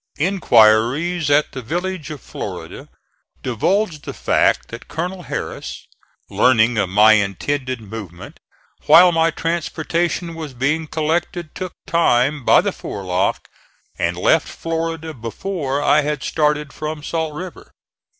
Inquiries at the village of Florida divulged the fact that Colonel Harris, learning of my intended movement, while my transportation was being collected took time by the forelock and left Florida before I had started from Salt River.